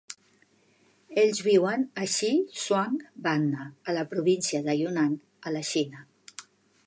Ells viuen a Xishuangbanna, a la província de Yunnan, a la Xina.